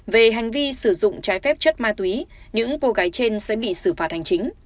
về hành vi sử dụng trái phép chất ma túy những cô gái trên sẽ bị xử phạt hành chính